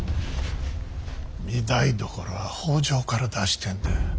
御台所は北条から出してえんだよ。